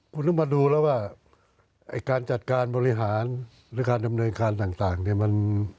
คุณต้องมาดูแล้วว่าการจัดการบริหารร้ายการดำเนยขาลต่างเนี่ยมัน